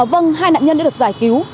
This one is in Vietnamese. vâng hai nạn nhân đã được giải cứu